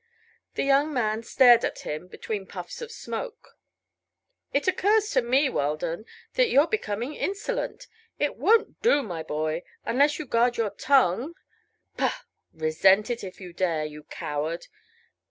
The young man stared at him, between puffs of smoke. "It occurs to me, Weldon, that you're becoming insolent. It won't do, my boy. Unless you guard your tongue " "Bah! Resent it, if you dare; you coward."